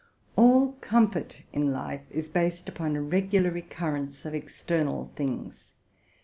All comfort in life is based upon a regular recurrence of external things.